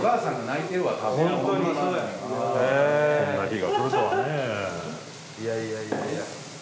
いやいやいやいや。